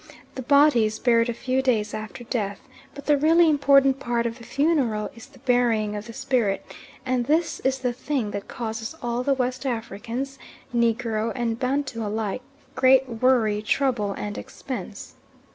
The body is buried a few days after death, but the really important part of the funeral is the burying of the spirit, and this is the thing that causes all the West Africans, Negro and Bantu alike, great worry, trouble, and expense.